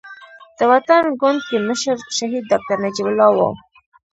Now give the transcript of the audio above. د وطن ګوند کې مشر شهيد ډاکټر نجيب الله وو.